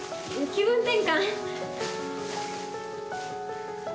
気分転換。